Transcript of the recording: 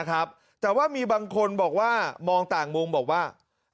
แต่ว่ามีบางคนบอกว่ามองต่างมุมบอกว่า